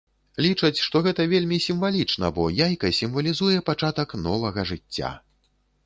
Лічаць, што гэта вельмі сімвалічна, бо яйка сімвалізуе пачатак новага жыцця.